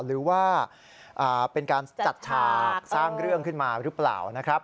หรือว่าเป็นการจัดฉากสร้างเรื่องขึ้นมาหรือเปล่านะครับ